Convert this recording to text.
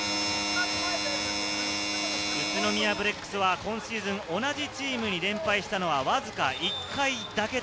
宇都宮ブレックスは今シーズン、同じチームに連敗したのは、わずか１回だけ。